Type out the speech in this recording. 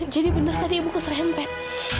jadi benar tadi ibu keserempet